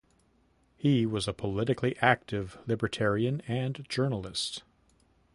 He was a politically active Libertarian and journalist.